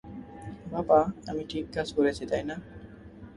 বাবা, আমি ঠিক কাজ করেছি, তাইনা?